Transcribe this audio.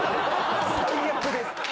最悪です。